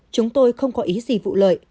chúng tôi không có ý gì vụ lợi